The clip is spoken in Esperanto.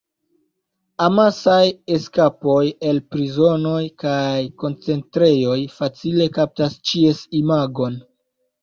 Amasaj eskapoj el prizonoj kaj koncentrejoj facile kaptas ĉies imagon.